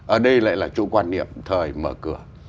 ở đây lại là trụ quan niệm thời mở cửa